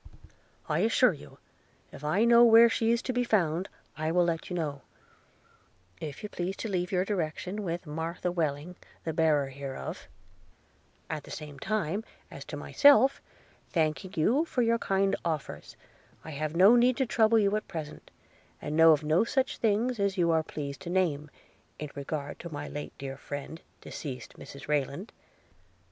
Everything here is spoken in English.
I assure you, if I know where she is to be found, I will let you know, if you please to leave your direction with Martha Welling the bearer hereof: – at the same time, as to myself, thanking you for your kind offers, have no need to trouble you at present; and know of no such things as you are pleased to name, in regard to my late dear friend, deceased, Mrs Rayland.